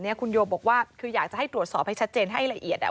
คุณโยบอกว่าคืออยากจะให้ตรวจสอบให้ชัดเจนให้ละเอียด